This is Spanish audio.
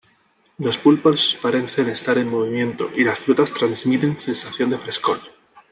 Los pulpos parecen estar en movimiento y las frutas transmiten sensación de frescor.